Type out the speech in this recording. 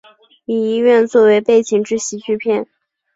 以医院作为背景之喜剧片。